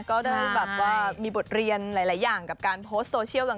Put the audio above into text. ก็แบบบีบทเรียนหลายอย่างไปกับการโพส์โซเชียลต่าง